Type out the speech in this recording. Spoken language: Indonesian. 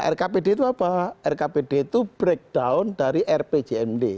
rkpd itu apa rkpd itu breakdown dari rpjmd